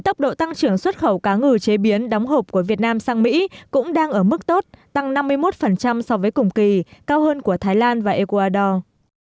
tốc độ tăng trưởng xuất khẩu cá ngừ chế biến đóng hộp của việt nam sang mỹ cũng đang ở mức tốt tăng năm mươi một so với cùng kỳ cao hơn của thái lan và ecuador